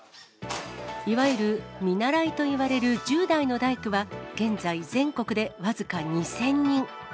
いわゆる見習いといわれる１０代の大工は、現在全国で僅か２０００人。